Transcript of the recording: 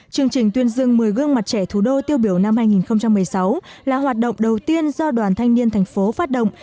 chương trình tuyên dương một mươi gương mặt trẻ thủ đô tiêu biểu năm hai nghìn một mươi sáu là hoạt động đầu tiên do đoàn thanh niên thành phố phát động